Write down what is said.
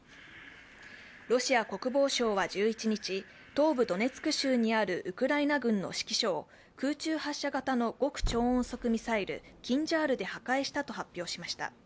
ロシア国防省は１１日、東部ドネツク州にあるウクライナ軍の指揮所を空中発射型の極超音速ミサイルキンジャールで破壊したと発表しました。